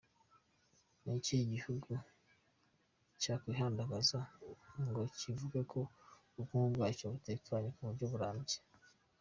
Ni ikihe gihugu cyakwihandagaza ngo kivuge ko ubukungu bwacyo butekanye mu buryo burambye?.